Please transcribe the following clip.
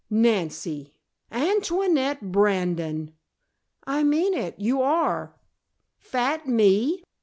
"Nancy Antoinette Brandon!" "I mean it. You are!" "Fat me!"